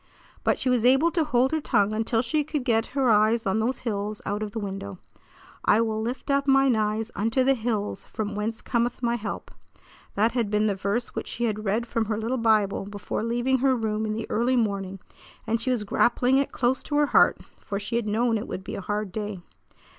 But she was able to hold her tongue until she could get her eyes on those hills out of the window. "I will lift up mine eyes unto the hills, from whence cometh my help." That had been the verse which she had read from her little Bible before leaving her room in the early morning and she was grappling it close to her heart, for she had known it would be a hard day.